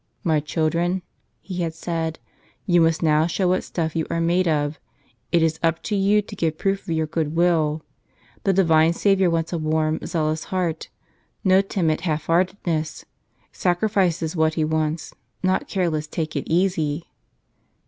"My children," he had said, "you must now show what stuff you are made of ; it is up to you to give proof of your good will. The Divine Savior wants a warm, zealous heart, no timid half heartedness; sacri¬ fice is what He wants, not careless take it easy